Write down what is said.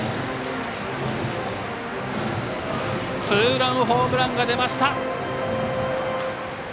ツーランホームランが出ました。